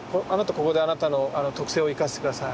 ここであなたの特性を生かして下さい。